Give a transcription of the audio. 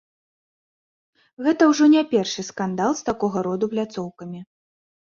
Гэта ўжо не першы скандал з такога роду пляцоўкамі.